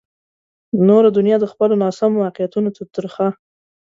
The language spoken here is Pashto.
نوره دنیا د خپلو ناسمو واقعیتونو ترخه.